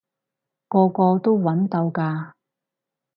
個個都搵到㗎